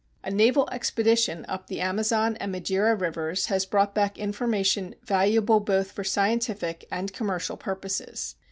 A naval expedition up the Amazon and Madeira rivers has brought back information valuable both for scientific and commercial purposes.